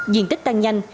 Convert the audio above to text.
diện tích tăng nhanh